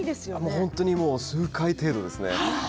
本当に数回程度ですね。